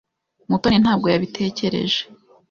Mutoni ntabwo yabitekereje.